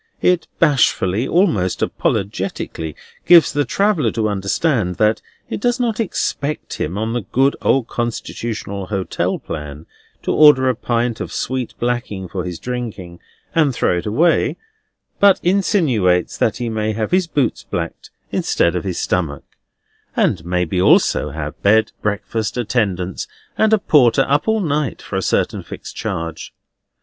It bashfully, almost apologetically, gives the traveller to understand that it does not expect him, on the good old constitutional hotel plan, to order a pint of sweet blacking for his drinking, and throw it away; but insinuates that he may have his boots blacked instead of his stomach, and maybe also have bed, breakfast, attendance, and a porter up all night, for a certain fixed charge.